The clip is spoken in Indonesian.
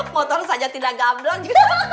motor saja tidak gabelang juga